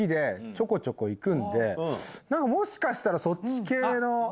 もしかしたらそっち系の。